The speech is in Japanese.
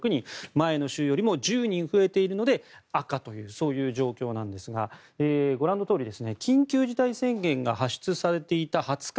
前の週よりも１０人増えているので赤というそういう状況なんですがご覧のとおり緊急事態宣言が発出されていた２０日。